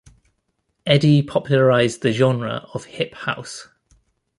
Eddie popularized the genre of hip house.